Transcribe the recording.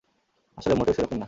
আসলে মোটেও সেরকম না।